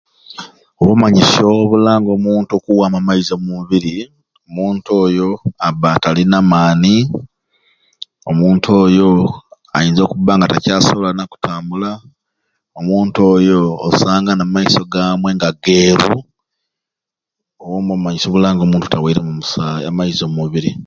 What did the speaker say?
Obumanyisyo obulanga omuntu okuwamu amaizi omu mubiri omuntu oyo aba talina omuntu oyo ayinza nokuba nga takyasobola nakutambula omuntu oyo osanga na maiso gamwei nga geeru obo nibo bumanyisyo obulanga nti omuntu aweremu amaizi